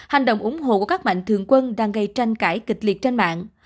hành động ủng hộ của các mạnh thường quân đang gây tranh cãi kịch liệt trên mạng